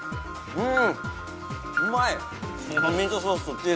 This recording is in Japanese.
うん！